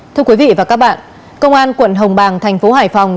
thưa quý vị và các bạn công an quận hồng bàng thành phố hải phòng